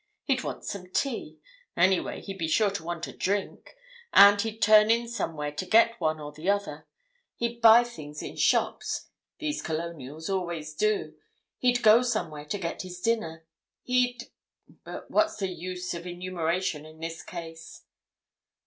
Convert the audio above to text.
He'd want some tea—anyway, he'd be sure to want a drink, and he'd turn in somewhere to get one or the other. He'd buy things in shops—these Colonials always do. He'd go somewhere to get his dinner. He'd—but what's the use of enumeration in this case?"